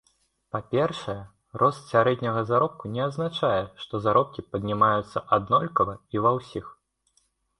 Па-першае, рост сярэдняга заробку не азначае, што заробкі паднімаюцца аднолькава і ва ўсіх.